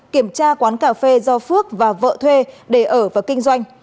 kiểm tra quán cà phê do phước và vợ thuê để ở và kinh doanh